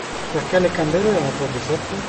Perché le candele erano proprio sette?